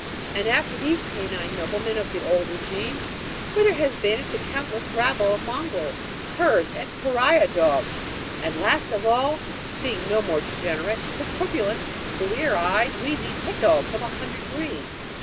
And after these canine noblemen of the old regime, whither has vanished the countless rabble of mongrels, curs, and pariah dogs; and last of all being more degenerate the corpulent, blear eyed, wheezy pet dogs of a hundred breeds?